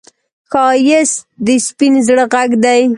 ښایست د سپين زړه غږ دی